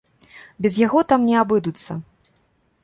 Без яго там не абыдуцца.